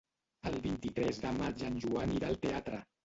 El vint-i-tres de maig en Joan irà al teatre.